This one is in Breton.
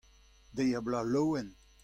Deiz-ha-bloaz laouen !